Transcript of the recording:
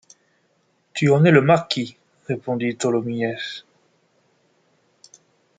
Tu en es le marquis, répondit Tholomyès.